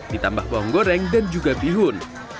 ditambah bawang goreng dan juga bihun